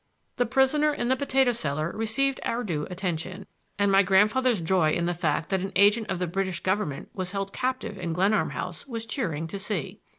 The prisoner in the potato cellar received our due attention; and my grandfather's joy in the fact that an agent of the British government was held captive in Glenarm House was cheering to see.